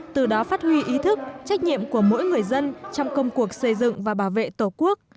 từ đó phát huy ý thức trách nhiệm của mỗi người dân trong công cuộc xây dựng và bảo vệ tổ quốc